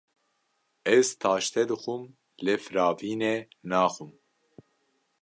Ez taştê dixwim lê firavînê naxwim.